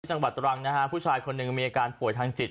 จังหวัดตรังนะฮะผู้ชายคนหนึ่งมีอาการป่วยทางจิต